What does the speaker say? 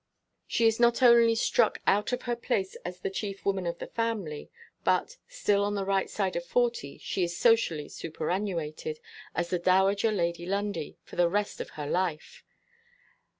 She is not only struck out of her place as the chief woman of the family, but (still on the right side of forty) she is socially superannuated, as The Dowager Lady Lundie, for the rest of her life!